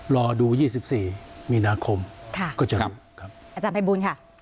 รอดู๒๔มีนาคมก็จะรู้อาจารย์ไพร์บูนค่ะ